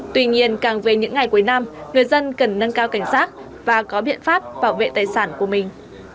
tuy nhiên càng về những ngày cuối năm người dân cần nâng cao cảnh sát và có biện pháp bảo vệ tài sản của mình